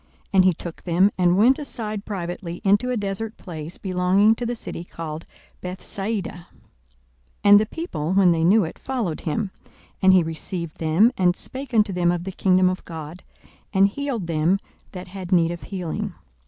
And he took them, and went aside privately into a desert place belonging to the city called Bethsaida. 42:009:011 And the people, when they knew it, followed him: and he received them, and spake unto them of the kingdom of God, and healed them that had need of healing.